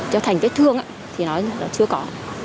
cho thành vết thương thì nói là chưa có